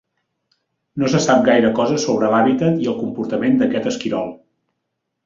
No se sap gaire cosa sobre l'hàbitat i el comportament d'aquest esquirol.